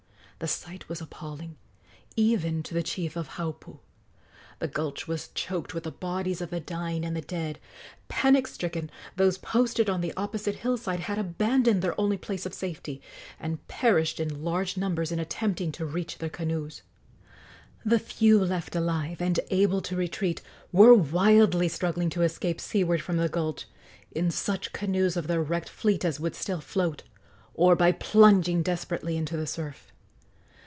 The sight was appalling, even to the chief of Haupu. The gulch was choked with the bodies of the dying and the dead. Panic stricken, those posted on the opposite hillside had abandoned their only place of safety, and perished in large numbers in attempting to reach their canoes. The few left alive and able to retreat were wildly struggling to escape seaward from the gulch in such canoes of their wrecked fleet as would still float, or by plunging desperately into the surf.